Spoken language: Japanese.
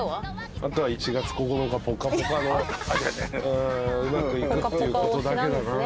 あとは１月９日『ぽかぽか』のうまくいくっていうことだけだな。